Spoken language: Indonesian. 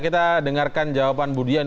kita dengarkan jawaban bu dian